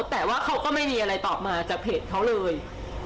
แต่ว่าเขาก็ไม่มีอะไรตอบมาจากเพจเขาเลย